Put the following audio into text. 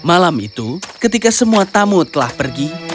malam itu ketika semua tamu telah pergi